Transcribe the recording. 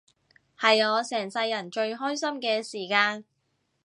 係我成世人最開心嘅時間